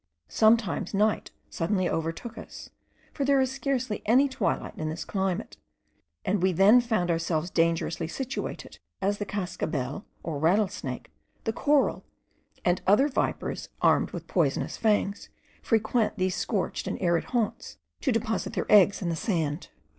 Sometimes night suddenly overtook us, for there is scarcely any twilight in this climate; and we then found ourselves dangerously situated, as the Cascabel, or rattle snake, the Coral, and other vipers armed with poisonous fangs, frequent these scorched and arid haunts, to deposit their eggs in the sand.